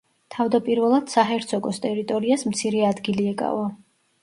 თავდაპირველად, საჰერცოგოს ტერიტორიას მცირე ადგილი ეკავა.